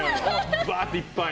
ぶわーって、いっぱい。